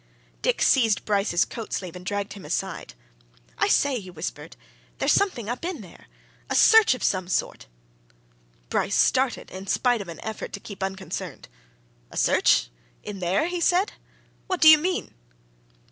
Dick seized Bryce's coat sleeve and dragged him aside. "I say!" he whispered. "There's something up in there a search of some sort!" Bryce started in spite of an effort to keep unconcerned. "A search? In there?" he said. "What do you mean?"